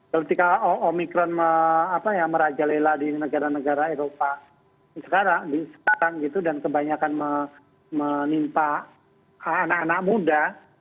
ketika omikron merajalela di negara negara eropa sekarang gitu dan kebanyakan menimpa anak anak muda